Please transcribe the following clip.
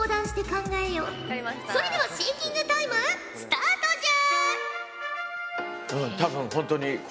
それではシンキングタイムスタートじゃ！